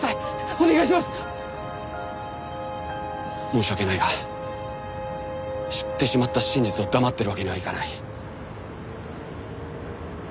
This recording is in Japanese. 申し訳ないが知ってしまった真実を黙っているわけにはいかない。